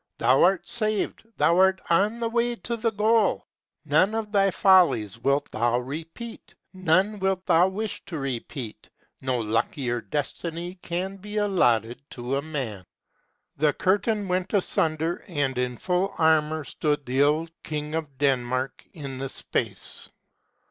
" Thou art saved, thou art on the way to the goal. None of thy follies wilt 434 MINISTER'S APPRENTICESHIP. ŌĆó thou repent ; none wilt thou wish to repeat ; no luckier destiny can be allotted to a man." The curtain went asun der, and in full armor stood the old king of Denmark in the space.